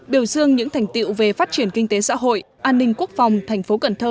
biểu dương những thành tiệu về phát triển kinh tế xã hội an ninh quốc phòng tp cần thơ